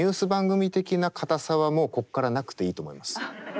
番組的な堅さはもうこっからなくていいと思います。